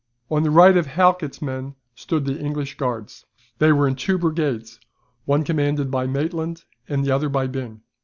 On the right of Halkett's men stood the English Guards. They were in two brigades, one commanded By Maitland, and the other by Byng.